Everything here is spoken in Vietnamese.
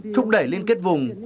thúc đẩy liên kết vùng